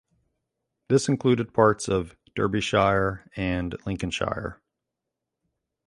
This included parts of Derbyshire and Lincolnshire.